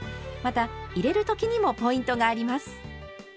また入れる時にもポイントがあります。